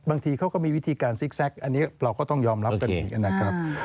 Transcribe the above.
บางทีเขาก็มีวิธีการซิกแซกอันนี้เราก็ต้องยอมรับเป็นอย่างนี้นะครับ